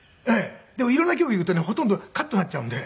でも色んな局行くとねほとんどカットになっちゃうので。